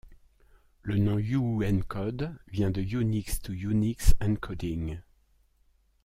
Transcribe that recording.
Le nom uuencode vient de Unix to Unix Encoding.